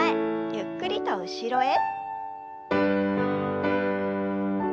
ゆっくりと後ろへ。